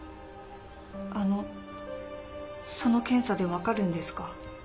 あのその検査で分かるんですか？